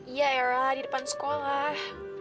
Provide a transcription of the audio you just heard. iya era di depan sekolah